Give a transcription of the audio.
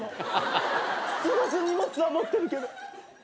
すごく荷物は持ってるけど。